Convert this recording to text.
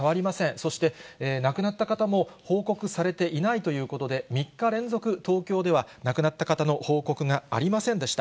そして亡くなった方も報告されていないということで、３日連続、東京では亡くなった方の報告がありませんでした。